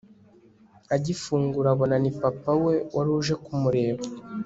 agifungura abona ni papa we waruje kumureba